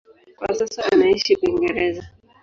Kwa sasa anaishi Uingereza.